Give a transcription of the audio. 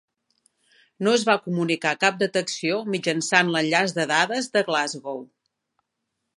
No es va comunicar cap detecció mitjançant l'enllaç de dades de "Glasgow".